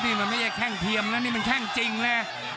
นี่มันไม่ใช่แข้งเทียมนะนี่มันแข้งจริงนะ